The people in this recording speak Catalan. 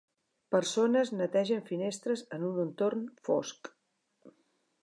persones netegen finestres en un entorn fosc